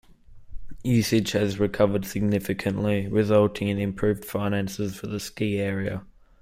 Usage has recovered significantly resulting in improved finances for the ski area.